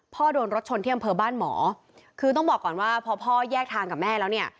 โดนรถชนที่อำเภอบ้านหมอคือต้องบอกก่อนว่าพอพ่อแยกทางกับแม่แล้วเนี่ย